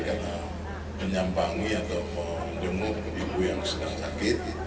karena menyampangi atau menjemur ibu yang sedang sakit